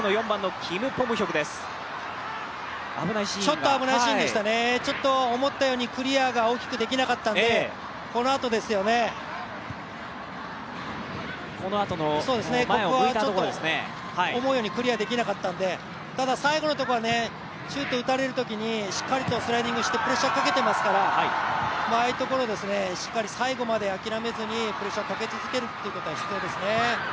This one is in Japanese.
ちょっと危ないシーンでしたね、思ったようにクリアが大きくできなかったので、このあとですよね、ここは思うようにクリアできなかったのでただ、最後のところはシュートを打たれるときにしっかりとスライディングしてプレッシャーかけていますからああいうところしっかり最後まで諦めずにプレッシャーをかけ続けることは必要ですね。